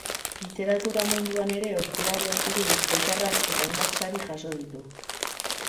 Literatura munduan ere ospea lortu du bizkaitarrak, eta hainbat sari jaso ditu.